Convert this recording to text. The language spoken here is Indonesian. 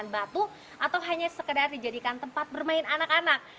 batu atau hanya sekedar dijadikan tempat bermain anak anak